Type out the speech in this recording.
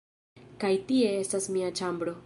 Kaj tie estas mia ĉambro